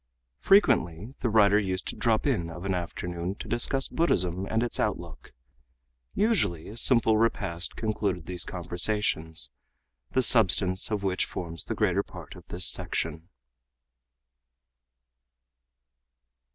Frequently the writer used to drop in of an afternoon to discuss Buddhism and its outlook. Usually a simple repast concluded these conversations, the substance of which forms the greater part of this section.